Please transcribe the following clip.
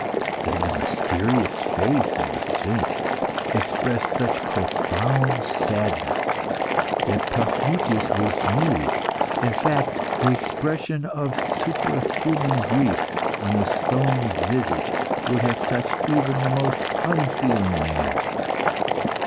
Then the mysterious face of the sphinx expressed such profound sadness that Paphnutius was moved. In fact, the expression of superhuman grief on the stone visage would have touched even the most unfeeling man.